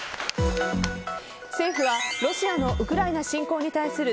政府はロシアのウクライナ侵攻に対する